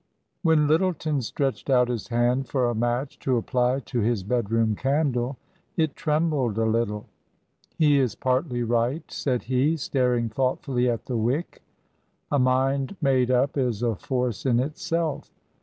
When Lj^tleton stretched out his hand for a match to apply to his bedroom candle, it trembled a little. " He is partly right," said he, staring thoughtfully at the wick ;" a mind made up is a force in itself.